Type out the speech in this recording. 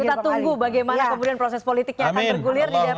kita tunggu bagaimana kemudian proses politiknya akan bergulir di dpr